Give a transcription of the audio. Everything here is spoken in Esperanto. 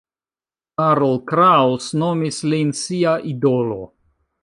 Karl Kraus nomis lin sia idolo.